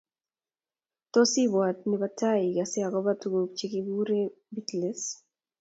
tos ibwat ne bo tai ikase akobo tukuk che kikure Beatles?